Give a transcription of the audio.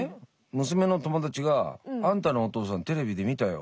娘の友達が「あんたのお父さんテレビで見たよ」。